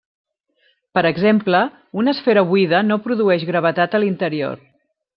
Per exemple, una esfera buida no produeix gravetat a l'interior.